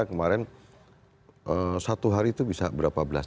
kemarin satu hari itu bisa berapa belas